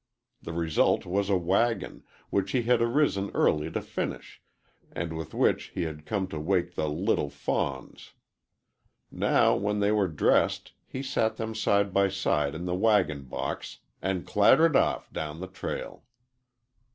The result was a wagon, which he had arisen early to finish, and with which he had come to wake "the little fawns." Now, when they were dressed, he sat them side by side in the wagon box and clattered off down the trail.